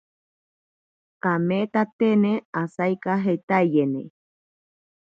Kameetatene asaikajeetaiyene.